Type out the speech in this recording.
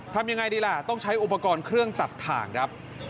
ทำยังไงดีล่ะต้องใช้อุปกรณ์เครื่องตัดถ่างครับ